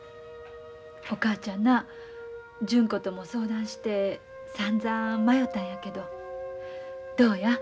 お母ちゃんな純子とも相談してさんざん迷うたんやけどどうや？